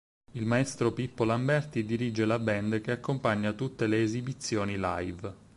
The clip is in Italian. Il maestro Pippo Lamberti dirige la band che accompagna tutte le esibizioni live.